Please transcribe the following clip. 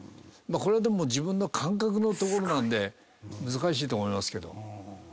これはでも自分の感覚のところなんで難しいと思いますけど。